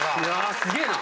すげえな！